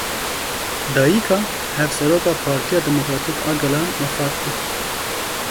Dayika Hevserokê Partiya Demokratîk a Gelan wefat kir.